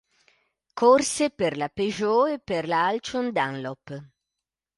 Corse per la Peugeot e per la Alcyon-Dunlop.